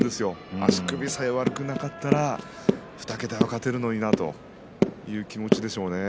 足首さえ悪くなければ２桁勝てるのになという気持ちでしょうね。